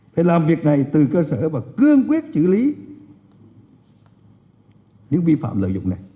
phải làm việc này từ cơ sở và cương quyết xử lý những vi phạm lợi dụng này